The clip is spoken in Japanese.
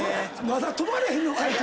まだ止まらへんのかい⁉